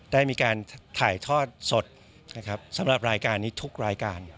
ได้มีการถ่ายทอดสดนะครับสำหรับรายการนี้ทุกรายการ